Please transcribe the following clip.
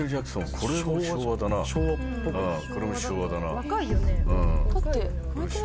これも昭和だな。